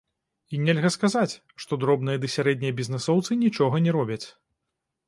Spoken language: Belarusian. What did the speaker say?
І нельга сказаць, што дробныя ды сярэднія бізнэсоўцы нічога не робяць.